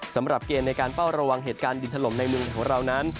สำหรับเกณฑ์ในการเฝ้าระวังเหตุการณ์ดินถล่มในเมืองของเรานั้น